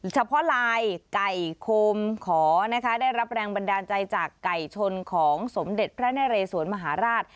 เฉพาะลายไก่โคมขอนะคะได้รับแรงบันดาลใจจากไก่ชนของสมเด็จพระนเรสวนมหาราช